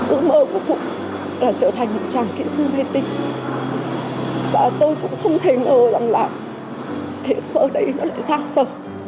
ước mơ của phúc là trở thành một chàng kỹ sư mê tích và tôi cũng không thể ngờ rằng là thế ước mơ đấy nó lại sang sở